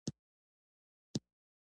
ځغاسته د سالم فکر سره مرسته کوي